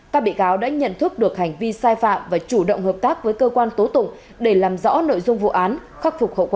các bị cáo đã nhận thức được hành vi sai phạm và chủ động hợp tác với cơ quan tố tụng để làm rõ nội dung vụ án khắc phục hậu quả